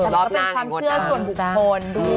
แต่มันก็เป็นความเชื่อส่วนบุคคลด้วย